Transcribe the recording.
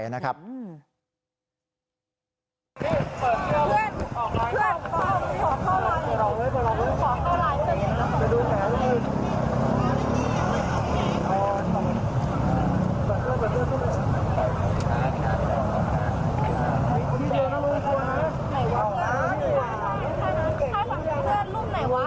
ตรงที่เดียวนะเบื่อลูกไหนวะ